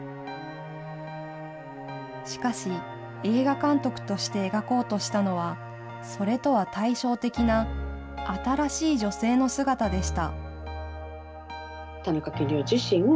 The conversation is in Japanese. しかし、映画監督として描こうとしたのは、それとは対照的な新しい女性の姿でした。